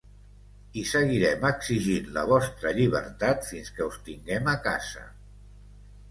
I seguirem exigint la vostra llibertat fins que us tinguem a casa.